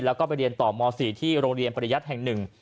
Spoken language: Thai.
แล้วก็ไปเรียนต่อม๔ที่โรงเรียนปริยัติแห่งหนึ่ง